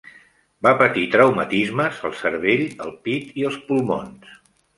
Va patir traumatismes al cervell, el pit i els pulmons.